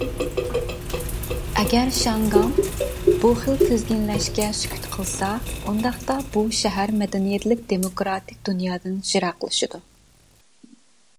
ئەگەر شياڭگاڭ بۇ خىل تىزگىنلەشكە سۈكۈت قىلسا، ئۇنداقتا بۇ شەھەر مەدەنىيەتلىك دېموكراتىك دۇنيادىن يىراقلىشىدۇ.